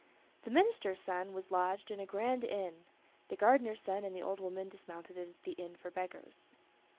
The minister's son was lodged in a grand inn, the gardener's son and the old woman dismounted at the inn for beggars.